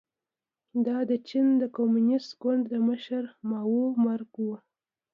دا د چین د کمونېست ګوند د مشر ماوو مرګ و.